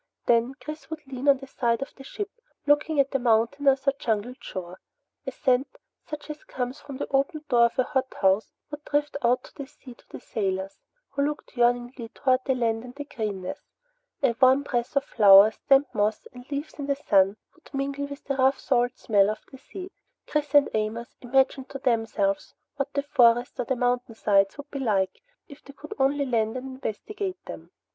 Then Chris would lean on the side of the ship looking at the mountainous or jungled shore. A scent such as comes from the opened door of a hothouse would drift out to sea to the sailors, who looked yearningly toward the land and the greenness. A warm breath of flowers, damp moss, and leaves in the sun would mingle with the rough salt smell of the sea. Chris and Amos imagined to themselves what the forest or the mountainsides would be like if they could only land and investigate them.